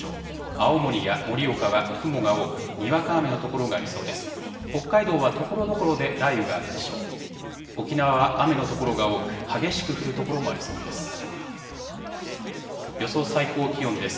青森や盛岡は雲が多く、にわか雨の所がありそうです。